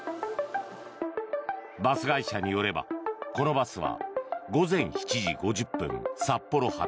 バス会社によればこのバスは午前７時５０分札幌発